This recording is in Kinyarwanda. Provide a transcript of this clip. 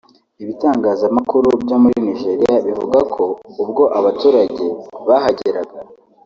Ibitangazamakuru byo muri Nigeria bivuga ko ubwo abaturage bahageraga